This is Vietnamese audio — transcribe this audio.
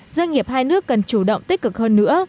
doanh nghiệp hai nước cần chủ động tích cực hơn nữa